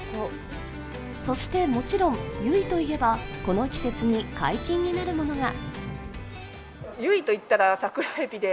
そしてもちろん、由比といえばこの季節に解禁になるものが。